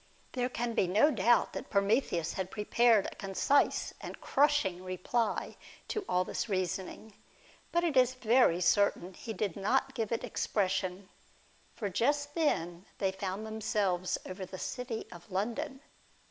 There can be no doubt that Prometheus had prepared a concise and crushing reply to all this reasoning ; but it is very certain he did not give it expression, for just then they found themselves over the city of London.